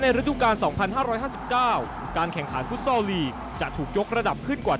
มีสนามฟุ็ทโซลเพิ่มมากขึ้น